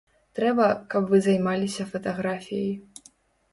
Трэба, каб вы займаліся фатаграфіяй.